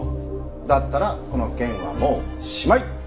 だったらこの件はもうしまい。